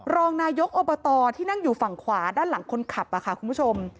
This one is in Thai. รองนายกอบตที่นั่งอยู่ฝั่งขวาด้านหลังคนขับค่ะคุณผู้ชม